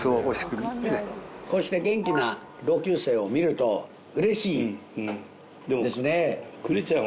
こうして元気な同級生を見るとうれしいですね。